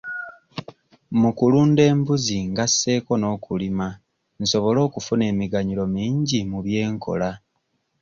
Mu kulunda embuzi ngasseeko n'okulima nsobole okufuna emiganyulo mingi mu by'enkola.